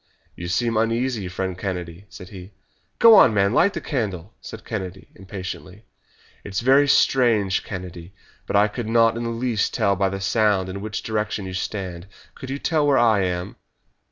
"You seem uneasy, friend Kennedy," said he. "Go on, man, light the candle!" said Kennedy impatiently. "It's very strange, Kennedy, but I could not in the least tell by the sound in which direction you stand. Could you tell where I am?"